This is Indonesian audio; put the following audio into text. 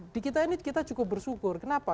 di kita ini kita cukup bersyukur kenapa